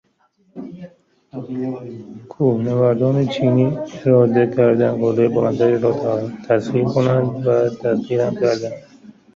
کوهنوردان چینی اراده کردند قلهٔ بلندتری را تسخیر کنند و تسخیر هم کردند